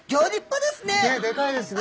ねっでかいですね。